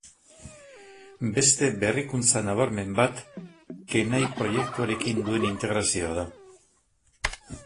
Beste berrikuntza nabarmen bat, Kenai proiketuarekin duen integrazioa da.